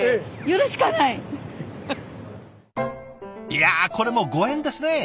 いやこれもご縁ですね。